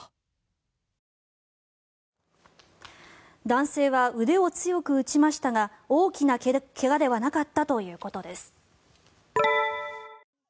男性は腕を強く打ちましたが大きな怪我ではなかったということです。